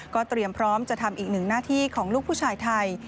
เตรียมพร้อมจะทำอีกหนึ่งหน้าที่ของลูกผู้ชายไทย